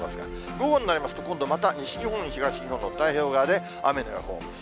午後になりますと、今度また西日本、東日本の太平洋側で雨の予報。